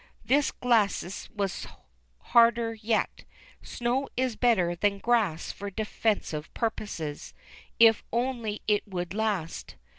This glacis was harder yet — snow is better than grass for defensive purposes — if only it would last.